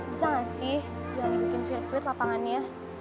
bisa gak sih dia bikin sirkuit lapangannya